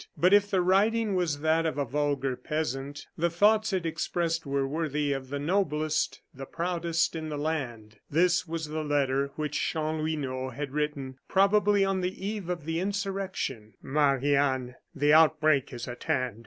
But if the writing was that of a vulgar peasant, the thoughts it expressed were worthy of the noblest, the proudest in the land. This was the letter which Chanlouineau had written, probably on the eve of the insurrection: "Marie Anne The outbreak is at hand.